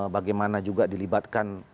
bagaimana juga dilibatkan